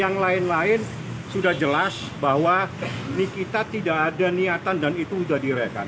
yang lain lain sudah jelas bahwa nikita tidak ada niatan dan itu sudah direkan